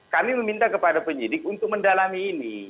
kami meminta kepada penyidik untuk mendalami ini